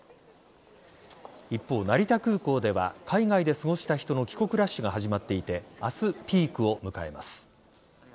一方、成田空港では海外で過ごした人の帰国ラッシュが始まっていて明日、ピークを迎えます。